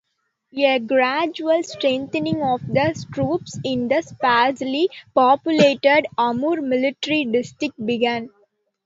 A gradual strengthening of the troops in the sparsely populated Amur Military District began.